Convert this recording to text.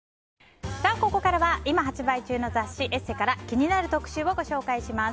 ここからは今発売中の雑誌「ＥＳＳＥ」から気になる特集をご紹介します。